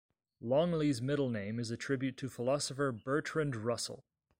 Longley's middle name is a tribute to philosopher Bertrand Russell.